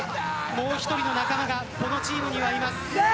もう１人の仲間がこのチームにはいいます。